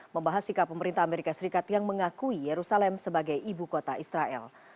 membahas sikap pemerintah amerika serikat yang mengakui yerusalem sebagai ibu kota israel